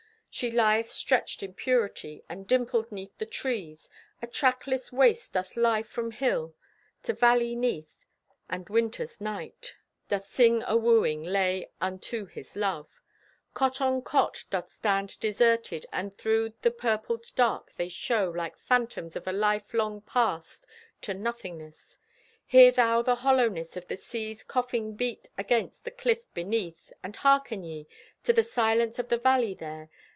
She lieth stretched in purity And dimpled 'neath the trees. A trackless waste doth lie from hill To valley 'neath, and Winter's Knight Doth sing a wooing lay unto his love. Cot on cot doth stand deserted, And thro' the purpled dark they show Like phantoms of a life long passed To nothingness. Hear thou the hollowness Of the sea's coughing beat against The cliff beneath, and harken ye To the silence of the valley there.